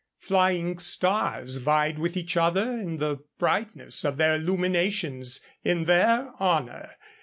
Flying stars vied with each other in the brightness of their illuminations in their honor.